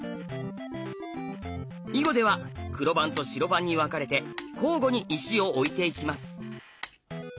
囲碁では黒番と白番に分かれて交互に石を置いていきます。